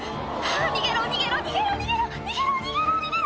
逃げろ逃げろ逃げろ逃げろ逃げろ逃げろ逃げろ！